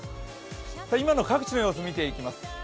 今の各地の様子を見ていきます。